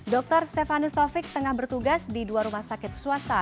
dr stefanus taufik tengah bertugas di dua rumah sakit swasta